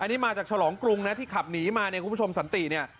อันนี้มาจากฉลองกรุงนะที่ขับหนีมาเนี่ยคุณผู้ชมสันติเนี่ย